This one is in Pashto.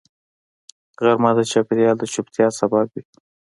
غرمه د چاپېریال د چوپتیا سبب وي